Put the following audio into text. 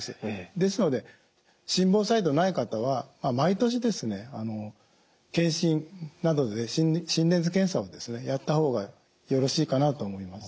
ですので心房細動ない方は毎年健診などで心電図検査をやった方がよろしいかなと思います。